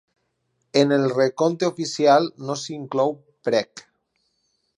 En el recompte oficial, no s'inclou PreK.